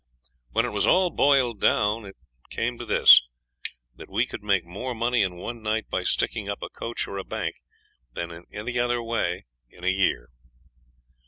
When it was all boiled down it came to this, that we could make more money in one night by sticking up a coach or a bank than in any other way in a year.